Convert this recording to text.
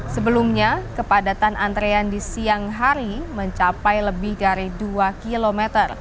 sebelumnya kepadatan antrean di siang hari mencapai lebih dari dua km